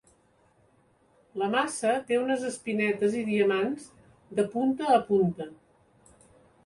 La maça té unes espinetes i diamants, de punta a punta.